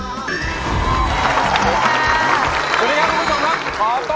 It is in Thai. สวัสดีครับคุณผู้ชมครับ